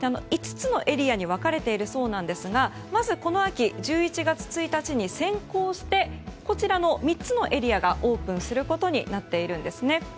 ５つのエリアに分かれているそうですがまず、この秋１１月１日に先行して、３つのエリアがオープンすることになっているんですね。